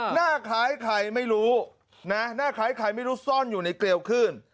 หน้าคล้ายใครไม่รู้นะหน้าคล้ายใครไม่รู้ซ่อนอยู่ในเกลียวขึ้น